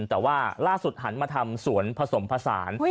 แต่ว่าล่าสุดหันมาทำสวนผสมผสาน